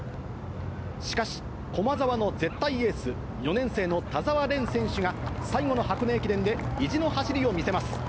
しかし、駒澤の絶対エース、４年生の田澤廉選手が、最後の箱根駅伝で意地の走りを見せます。